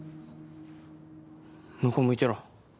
向こう向いてろ。